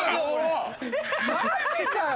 マジかよ！